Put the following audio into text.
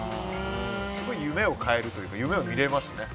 すごい夢を変えるというか夢を見れますね。